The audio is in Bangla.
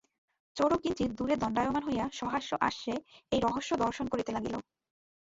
চোরও কিঞ্চিৎ দূরে দণ্ডায়মান হইয়া সহাস্য আস্যে এই রহস্য দর্শন করিতে লাগিল।